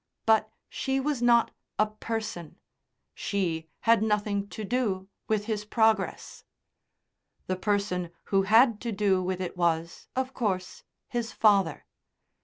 But she was not a person; she had nothing to do with his progress. The person who had to do with it was, of course, his father.